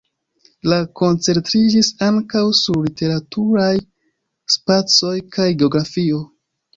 Li koncentriĝis ankaŭ sur literaturaj spacoj kaj geografio.